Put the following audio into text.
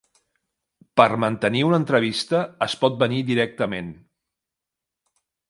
Per mantenir una entrevista, es pot venir directament.